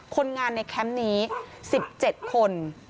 คนงานในแคมป์นี้๑๗คน